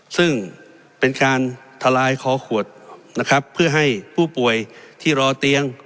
ซึ่งเป็นการทลายคอขวดนะครับเพื่อให้ผู้ป่วยที่รอเตียง